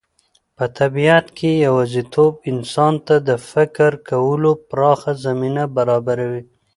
په طبیعت کې یوازېتوب انسان ته د فکر کولو پراخه زمینه برابروي.